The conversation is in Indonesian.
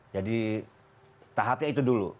jadi tahapnya itu dulu